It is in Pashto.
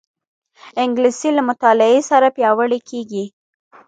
انګلیسي له مطالعې سره پیاوړې کېږي